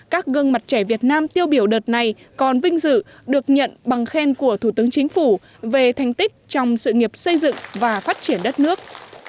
các gương mặt trẻ việt nam tiêu biểu đợt này còn vinh dự được nhận bằng khen của thủ tướng chính phủ về thành tích trong sự nghiệp xây dựng và phát triển đất nước